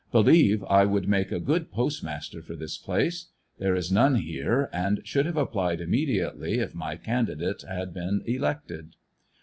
Believe I would make a good postmaster for this place. There is none here and should have applied immediately, if my candidate had been elected.